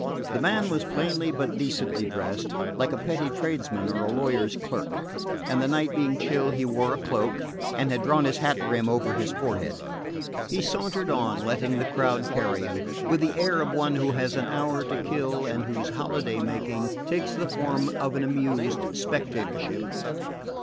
The man was plainly but decently dressed, like a petty tradesman or a lawyer's clerk, and the night being chill he wore a cloak, and had drawn his hat brim over his forehead. He sauntered on, letting the crowd carry him, with the air of one who has an hour to kill, and whose holiday making takes the form of an amused spectatorship.